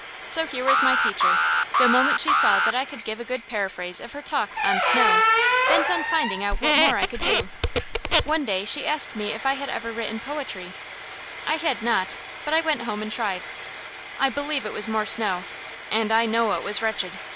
So here was my teacher, the moment she saw that I could give a good paraphrase of her talk on "Snow," bent on finding out what more I could do. One day she asked me if I had ever written poetry. I had not, but I went home and tried. I believe it was more snow, and I know it was wretched.